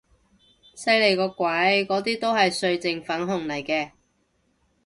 犀利個鬼，嗰啲都係歲靜粉紅嚟嘅